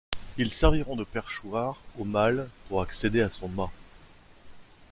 Ils serviront de perchoir au mâle pour accéder à son mât.